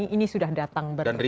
ini sudah datang bertahun tahun